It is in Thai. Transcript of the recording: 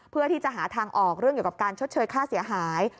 เพื่อที่จะหาทางออกเรื่องเกี่ยวกับการชดเชยค่าเสียหาย